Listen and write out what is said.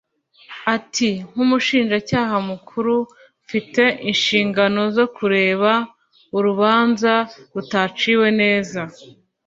Ati “Nk’Umushinjacyaha Mukuru mfite inshingano zo kureba urubanza rutaciwe neza